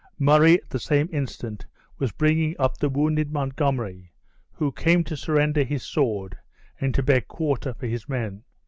Murray, at the same instant, was bringing up the wounded Montgomery, who came to surrender his sword, and to beg quarter for his men.